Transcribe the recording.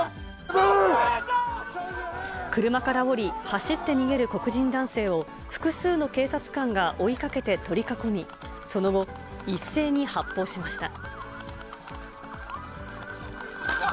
車から降り、走って逃げる黒人男性を複数の警察官が追いかけて取り囲み、その後、一斉に発砲しました。